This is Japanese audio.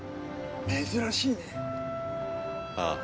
珍しいね。